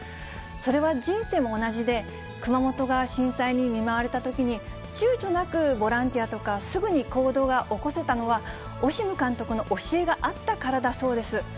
それは人生も同じで、熊本が震災に見舞われたときに、ちゅうちょなく、ボランティアとかすぐに行動が起こせたのは、オシム監督の教えがあったからだそうです。